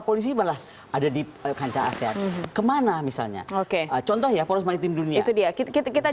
polisi malah ada di kancah asean kemana misalnya oke contohnya polos mati dunia itu dia kita kita